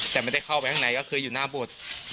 แต่ไม่ได้เข้าไปข้างใน